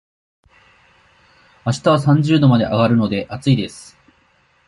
あしたは三十度まで上がるので、暑いです。